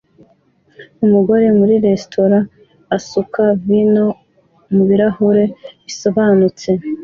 Umugore muri resitora asuka vino mubirahure bisobanutse